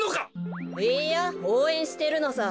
いいやおうえんしてるのさ。